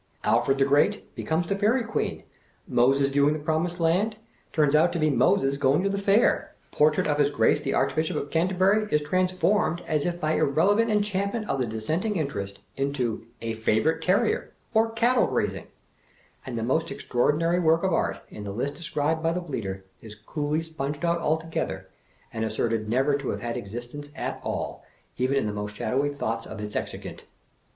Alfred the Great becomes the Pairy Queen; Moses viewing the Promised Land, turns out to be Moses going to the Pair ; Portrait of His Grace the Archbishop of Canterbury, is transformed, as if by irreverent enchantment of the dis senting interest, into A Favorite Terrier, or Cattle Grazing; and the most extraordinary work of art in the list described by the Bleater is coolly sponged out altogether, and assert ed never to have had existence at all, even in the most shadowy thoughts of its executant!